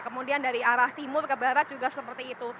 kemudian dari arah timur ke barat juga seperti itu